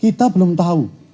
kita belum tahu